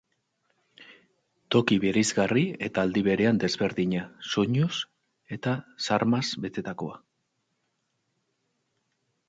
Toki bereizgarri eta aldi berean desberdina, soinuz eta xarmaz betetakoa.